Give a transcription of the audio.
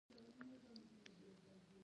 خور د کور کارونه په ښه توګه کوي.